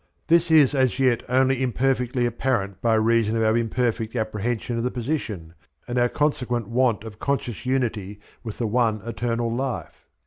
This is as yet only imperfectly apparent by reason of our imperfect apprehension of the position, and our consequent want of conscious unity with the ONE Eternal Life.